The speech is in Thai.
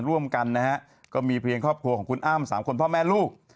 ร่วมกันนะฮะก็มีเพียงครอบครัวของคุณอ้ำสามคนพ่อแม่ลูก